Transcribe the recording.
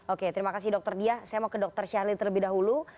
oke terima kasih dokter dia saya mau ke dr syahlil terlebih dahulu